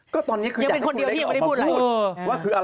ก็ตอนนี้คืออยากให้คุณเล็กออกมาพูด